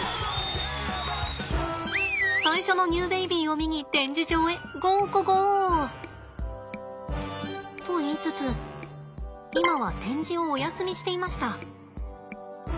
最初のニューベイビーを見に展示場へゴーゴゴー！と言いつつ今は展示をお休みしていました。